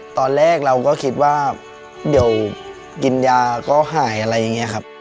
ตอนแรกเราก็คิดว่าเดี๋ยวกินยาก็หายอะไรอย่างนี้ครับ